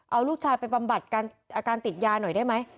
เอาลูกชายไปบำบัดอาการติดยาหน่อยได้ไหม